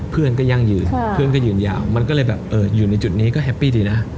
เพื่อนก็ยั่งยืนเพื่อนก็ยืนยาวมันก็เลยแบบอยู่ในจุดนี้ก็แฮปปี้ดีนะ